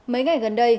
mấy ngày gần đây